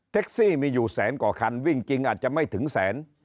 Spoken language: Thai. ซี่มีอยู่แสนกว่าคันวิ่งจริงอาจจะไม่ถึงแสน